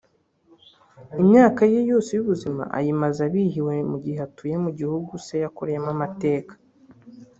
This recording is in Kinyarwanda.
Imyaka ye yose y’ubuzima ayimaze abihiwe mu gihe atuye mu gihugu Se yakoreyemo amateka